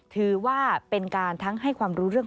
ถือว่าเป็นการทั้งให้ความรู้เรื่อง